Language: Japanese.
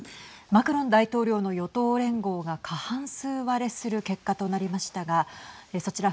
マクロン大統領の与党連合が過半数割れする結果となりましたがそちら